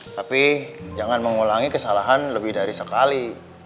tapi jangan mengulangi kesalahan lebih dari sekali